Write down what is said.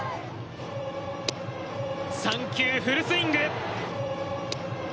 ３球フルスイング。